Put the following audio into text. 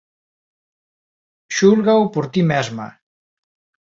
Xúlgao por ti mesma